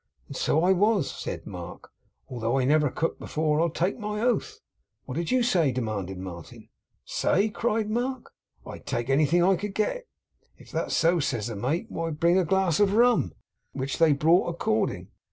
And so I was,' said Mark, 'although I never cooked before, I'll take my oath.' 'What did you say?' demanded Martin. 'Say!' cried Mark. 'That I'd take anything I could get. "If that's so," says the mate, "why, bring a glass of rum;" which they brought according.